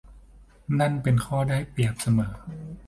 นั่นเป็นข้อได้เปรียบเสมอ